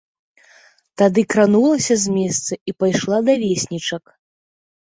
Тады кранулася з месца і пайшла да веснічак.